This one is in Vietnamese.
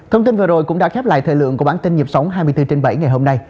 thông tin vừa rồi cũng đã khép lại thời lượng của bản tin nhịp sống hai mươi bốn trên bảy ngày hôm nay